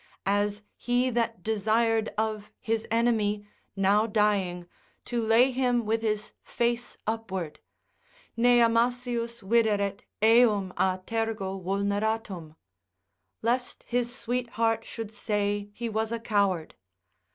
As he that desired of his enemy now dying, to lay him with his face upward, ne amasius videret eum a tergo vulneratum, lest his sweetheart should say he was a coward.